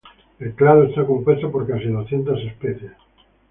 El clado está compuesto por casi doscientas especies.